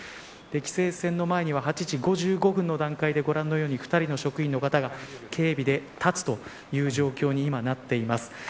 規制線の前には８時５５分の段階で、ご覧のように２人の職員の方が警備で立つという状況になっています。